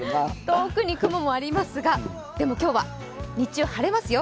遠くに雲もありますが、今日は晴れますよ。